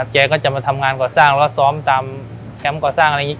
แกก็จะมาทำงานก่อสร้างแล้วซ้อมตามแคมป์ก่อสร้างอะไรอย่างนี้